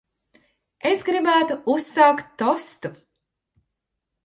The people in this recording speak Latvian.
Es gribētu uzsaukt tostu.